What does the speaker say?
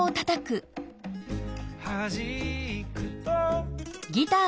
「はじくと」